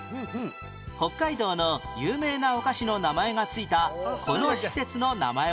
北海道の有名なお菓子の名前が付いたこの施設の名前は？